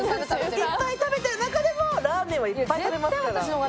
いっぱい食べてる中でも、ラーメンはいっぱい食べますから。